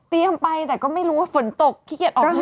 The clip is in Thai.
ไปแต่ก็ไม่รู้ว่าฝนตกขี้เกียจออก